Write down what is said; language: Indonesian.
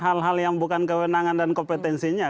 hal hal yang bukan kewenangan dan kompetensinya